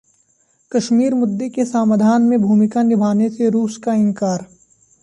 कश्मीर मुद्दे के समाधान में भूमिका निभाने से रूस का इनकार